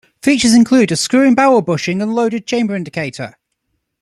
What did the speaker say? Features include a screw-in barrel bushing and loaded chamber indicator.